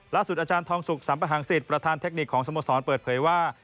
ล่าสุดอาจารย์ทองศุกร์สัมพหังศิษย์ประธานเทคนิคของสมสรรค์เปิดเผยว่า